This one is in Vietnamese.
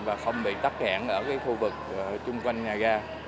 và không bị tắt hẹn ở cái khu vực chung quanh nhà ga